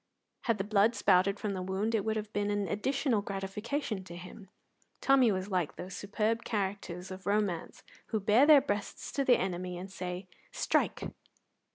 Had the blood spouted from the wound, it would have been an additional gratification to him. Tommy was like those superb characters of romance who bare their breast to the enemy and say, "Strike!"